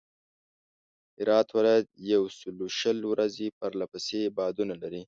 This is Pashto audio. هرات ولایت یوسلوشل ورځي پرله پسې بادونه لري.